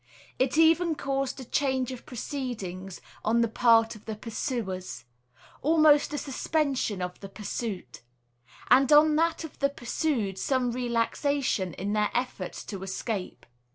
It even caused a change of proceedings on the part of the pursuers, almost a suspension of the pursuit, and on that of the pursued some relaxation in their efforts to escape.